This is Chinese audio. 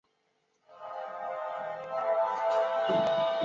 一般而言十字滑块联轴器会配合弹簧以减少机构中的。